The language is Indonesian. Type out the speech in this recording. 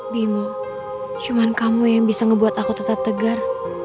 bimo cuma kamu yang bisa ngebuat aku tetap tegar